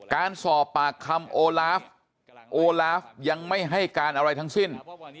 การสอบปากคำโอลาฟโอลาฟยังไม่ให้การอะไรทั้งสิ้น